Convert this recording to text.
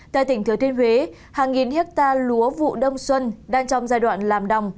tại tỉnh thừa thiên huế hàng nghìn hectare lúa vụ đông xuân đang trong giai đoạn làm đồng